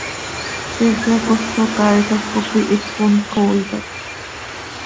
Ziix yacoso caaixaj cop ihipon xooixaj.